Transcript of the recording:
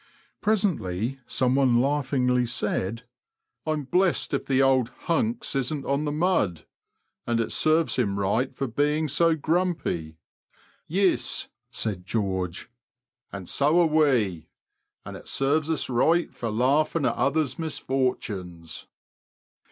Presently some one laughingly said, I'm blessed if the old * hunks '^ isn't on the mud; and it serves him right for being so grumpy !" *'Yes," said George, and so are we, audit serves ua right for laughing at others' misforcunes."